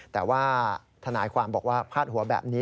แต่ว่าทนายความบอกว่าพาดหัวแบบนี้